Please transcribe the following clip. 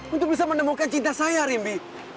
untuk bisa menemukan cinta saya rimbi